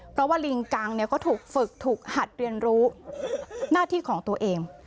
เพราะว่าลิงกังก็ถูกฝึกถูกหัดเรียนรู้หน้าที่ของตัวเอง